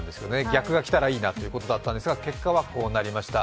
逆が来たらいいなということだったんですが、結果はこうなりました。